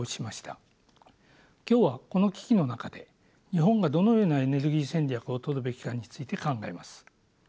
今日はこの危機の中で日本がどのようなエネルギー戦略をとるべきかについて考えます。